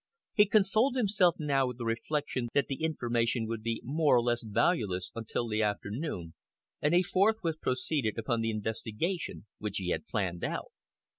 He consoled himself now with the reflection that the information would be more or less valueless until the afternoon, and he forthwith proceeded upon the investigation which he had planned out.